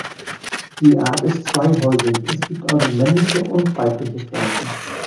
Die Art ist zweihäusig; es gibt also männliche und weibliche Pflanzen.